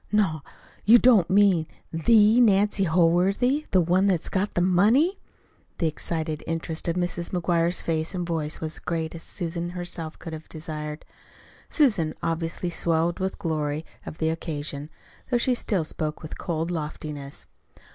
"Not you don't mean THE Nancy Holworthy the one that's got the money!" The excited interest in Mrs. McGuire's face and voice was as great as even Susan herself could have desired. Susan obviously swelled with the glory of the occasion, though she still spoke with cold loftiness.